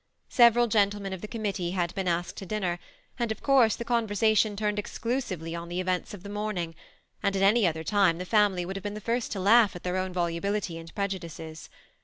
Several gentlemen of the committee had been asked to dinner, and of course the conversation turned exclusively on the events of the morning; and at any other time the family would have been the first to laugh at their own volubility and prejudices.